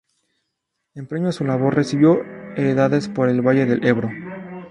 En premio a su labor recibió heredades por el valle del Ebro.